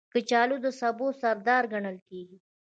کچالو د سبو سردار ګڼل کېږي